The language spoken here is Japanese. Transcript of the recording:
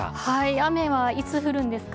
雨はいつ降るんですか？